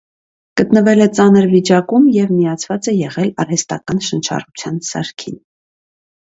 Գտնվել է ծանր վիճակում և միացված է եղել արհեստական շնչառության սարքին։